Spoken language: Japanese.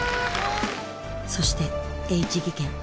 そしてＨ技研。